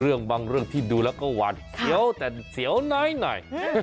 เรื่องบางเรื่องที่ดูแล้วก็หวานเสียวแต่เสียวหน่อย